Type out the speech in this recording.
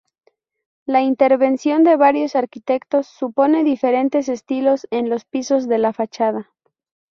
La intervención de varios arquitectos supone diferentes estilos en los pisos de la fachada.